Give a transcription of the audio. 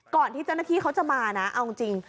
ที่เจ้าหน้าที่เขาจะมานะเอาจริง